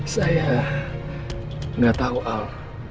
saya gak tahu al